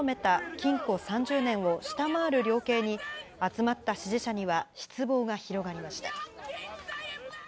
禁錮３０年を下回る量刑に、集まった支持者には失望が広がりました。